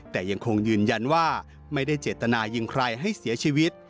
แต่ยังคงยืนยันว่าไม่ได้เจตนายิงใครให้เสียชีวิต